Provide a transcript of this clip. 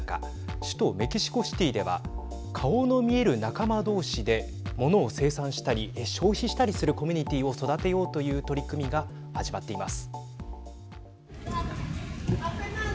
首都メキシコシティーでは顔の見える仲間同士でものを生産したり消費したりするコミュニティーを育てようという取り組みが始まっています。